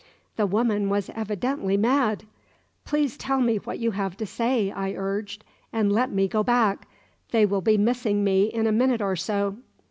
The woman was evidently mad. "Please tell me what you have to say," I urged, "and let me go back. They will be missing me in a minute or so."